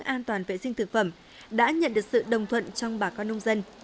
an toàn vệ sinh thực phẩm đã nhận được sự đồng thuận trong bà con nông dân